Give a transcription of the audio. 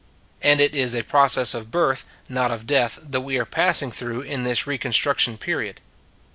And it is a process of birth, not of death, that we are passing through in this reconstruction period.